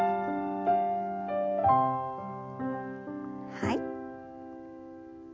はい。